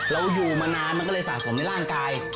เราอยู่มานานมันก็เลยสะสมในร่างกาย